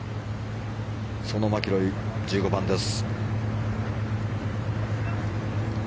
そのマキロイ、１５番です。